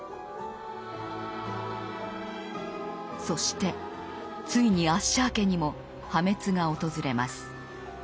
そしてついにアッシャー家にも破滅が訪れます。